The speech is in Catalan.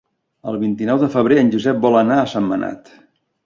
El vint-i-nou de febrer en Josep vol anar a Sentmenat.